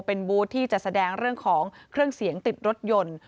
เป็นบูธที่จะแสดงเรื่องของเครื่องเสียงติดรถยนต์